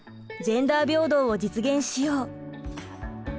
５「ジェンダー平等を実現しよう」。